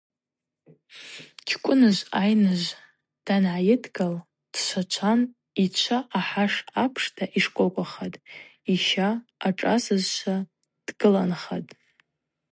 Чкӏвыныжв айныжв дангӏайыдгыл дшвачван йчва ахӏаш апшта йшкӏвокӏвахатӏ, йща ашӏасызшва дгыланхатӏ.